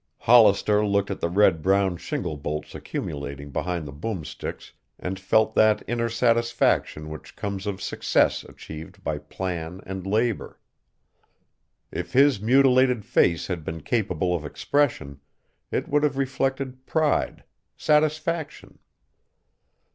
Hollister looked at the red brown shingle bolts accumulating behind the boom sticks and felt that inner satisfaction which comes of success achieved by plan and labor. If his mutilated face had been capable of expression, it would have reflected pride, satisfaction.